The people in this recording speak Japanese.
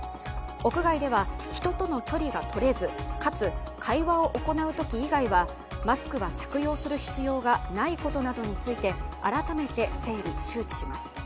屋外では人との距離がとれず、かつ会話を行うとき以外はマスクは着用する必要がないことなどについて改めて整理・周知します。